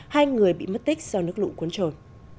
hai người bị mất tích do nước lũ cuốn trồn